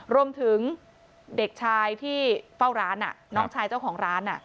รวมถึงเด็กชายที่เฝ้าร้านน้องชายเจ้าของร้าน